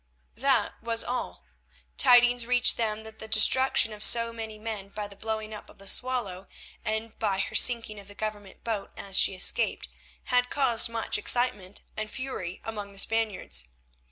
That was all. Tidings reached them that the destruction of so many men by the blowing up of the Swallow, and by her sinking of the Government boat as she escaped, had caused much excitement and fury among the Spaniards.